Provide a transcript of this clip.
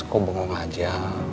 kok bengong aja